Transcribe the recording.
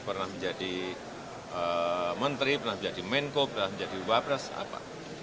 pernah menjadi menteri pernah menjadi menko pernah menjadi wapres apa